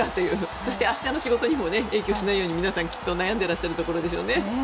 そして、明日の仕事にも影響しないように、皆さん悩んでいるところでしょうね。